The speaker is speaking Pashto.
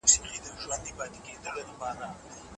په تیره پیړۍ کې تاریخ له ایډیالوژۍ سره ګډ سو.